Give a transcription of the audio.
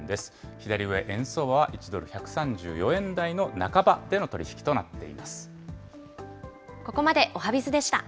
左上、円相場は１ドル１３４円台の半ばでの取り引きとなっています。